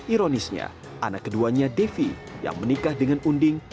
ironisnya anak keduanya devi yang menikah dengan unding